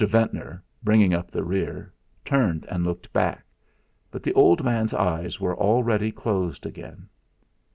Ventnor, bringing up the rear, turned and looked back. But the old man's eyes were already closed again.